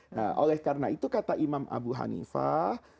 nah oleh karena itu kata imam abu hanifah